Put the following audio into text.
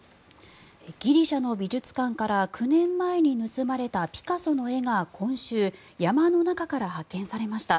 ギリシャの美術館から９年前に盗まれたピカソの絵が今週山の中から発見されました。